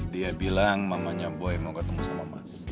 dia bilang mamanya boy mau ketemu sama mas